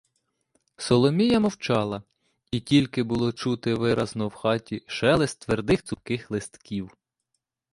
Соломія мовчала, і тільки було чути виразно в хаті шелест твердих цупких листків.